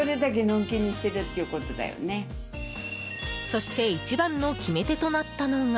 そして一番の決め手となったのが。